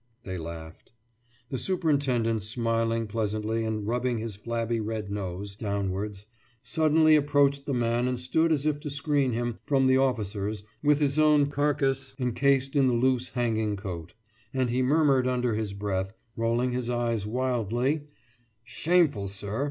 « They laughed. The superintendent, smiling pleasantly and rubbing his flabby red nose downwards, suddenly approached the man and stood as if to screen him from the officers with his own carcase encased in the loose hanging coat; and he murmured under his breath, rolling his eyes wildly: »Shameful, sir!